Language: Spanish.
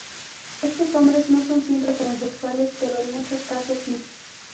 Estos hombres no son siempre transexuales, pero en muchos casos sí.